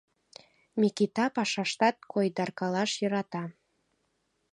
Микита пашаштат койдаркалаш йӧрата.